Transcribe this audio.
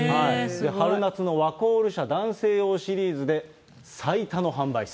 春夏のワコール社男性用シリーズで、最多の販売数。